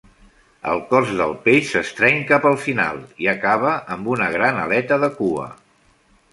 El cos del peix s'estreny cap al final, i acaba amb una gran aleta de cua.